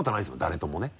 誰ともね。